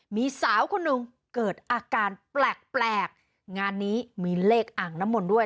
มีสาวคนหนึ่งเกิดอาการแปลกแปลกงานนี้มีเลขอ่างน้ำมนต์ด้วย